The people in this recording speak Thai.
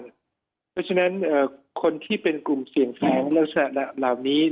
เพราะฉะนั้นคนที่เป็นกลุ่มเสี่ยงแสงลักษณะเหล่านี้